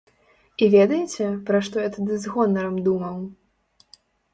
І ведаеце, пра што я тады з гонарам думаў?